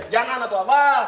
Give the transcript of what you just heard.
jangan atau apa